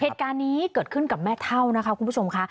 เหตุการณ์นี้เกิดขึ้นกับแม่เท่านะคะคุณผู้ชมค่ะ